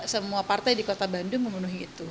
semua partai di kota bandung memenuhi itu